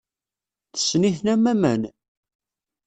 Tessen-iten am waman.